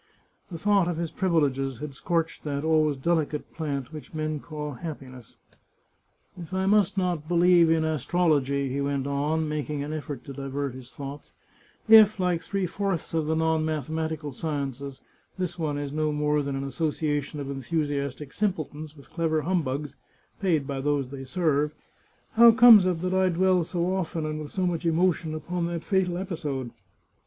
The thought of his privileges had scorched that always delicate plant which men call happiness. " If I must not believe in astrology," he went on, mak 163 The Chartreuse of Parma ing an effort to divert his thoughts, " if, like three fourths of the non mathematical sciences, this one is no more than an association of enthusiastic simpletons with clever hum bugs, paid by those they serve, how comes it that I dwell so often, and with so much emotion, upon that fatal episode?